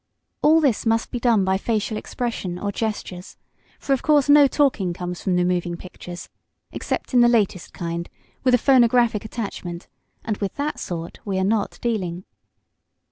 All this must be done by facial expression or gestures, for of course no talking comes from the moving pictures except in the latest kind, with a phonographic arrangement, and with that sort we are not dealing.